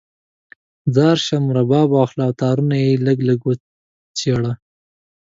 ځار شم، رباب واخله او تارونه یې لږ وچیړه